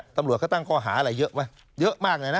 ตำรวจเขาตั้งข้อหาอะไรเยอะไหมเยอะมากเลยนะ